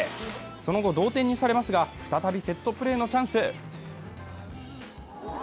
その後、同点にされますが、再びセットプレーのチャンス。